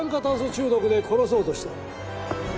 中毒で殺そうとした。